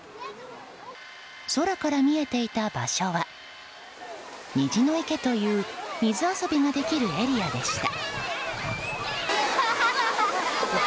空から見えていた場所はにじの池という水遊びができるエリアでした。